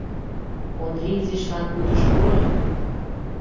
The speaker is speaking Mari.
— Ондрий, изишлан кудыш пуро.